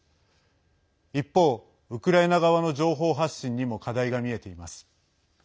一方、ウクライナ側の情報発信にも課題が見えています。